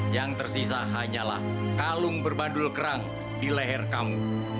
yang tersisa hanyalah kalung berbandul kerang di leher kamu